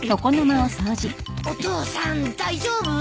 お父さん大丈夫？